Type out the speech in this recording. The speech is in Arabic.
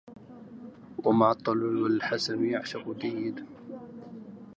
ومعطل والحسن يعشق جيده